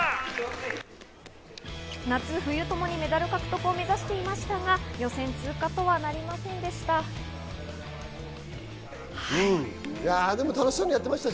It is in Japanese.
夏冬ともにメダル獲得を目指していましたが、予選通過とはなりませんでした。